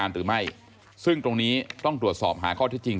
ร้องร้องร้องร้องร้องร้องร้อง